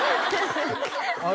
あれ？